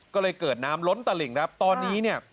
ก็เลยเกิดน้ำล้นตลิ่งครับตอนนี้เนี่ย